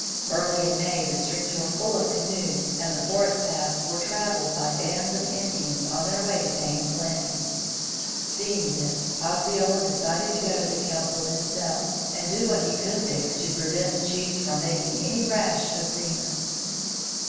Early in May the streams were full of canoes and the forest paths were traveled by bands of Indians on their way to Payne's Landing. Seeing this, Osceola decided to go to the council himself, and do what he could there to prevent the chiefs from making any rash agreements.